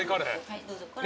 はいどうぞこれ。